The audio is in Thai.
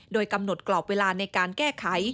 โดยกำหนดกรอบเวลาในการแก้ไข